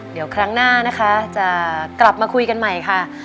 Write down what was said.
เดี๋ยวครั้งหน้านะคะจะกลับมาคุยกันใหม่ค่ะ